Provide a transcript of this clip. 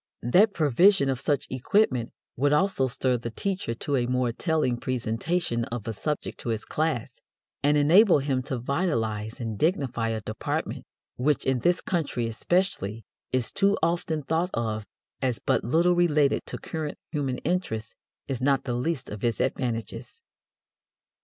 That provision of such equipment would also stir the teacher to a more telling presentation of a subject to his class, and enable him to vitalize and dignify a department which, in this country especially, is too often thought of as but little related to current human interests, is not the least of its advantages.